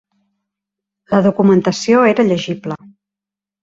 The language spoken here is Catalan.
La documentació era llegible.